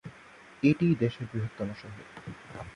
এটিই দেশের বৃহত্তম শহর।